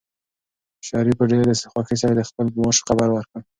شریف په ډېرې خوښۍ سره د خپل معاش خبر ورکړ.